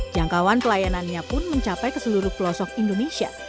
jangkauan pelayanannya pun mencapai ke seluruh pelosok indonesia